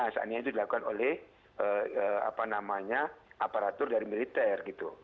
seandainya itu dilakukan oleh apa namanya aparatur dari militer gitu